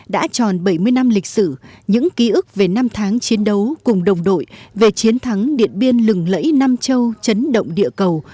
đã tròn bảy mươi năm lịch sử những ký ức về năm tháng chiến đấu cùng đồng đội về chiến thắng điện biên lừng lẫy nam châu chấn động địa cầu